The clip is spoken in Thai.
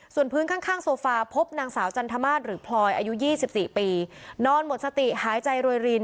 ส่วนพื้นข้างข้างโซฟาพบนางสาวจันทร์มาสหรือพลอยอายุยี่สิบสี่ปีนอนหมดสติหายใจโรยริน